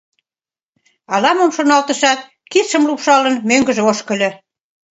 Ала-мом шоналтышат, кидшым лупшалын, мӧҥгыжӧ ошкыльо.